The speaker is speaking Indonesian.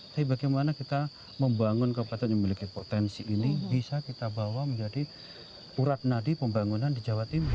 tapi bagaimana kita membangun kabupaten yang memiliki potensi ini bisa kita bawa menjadi urat nadi pembangunan di jawa timur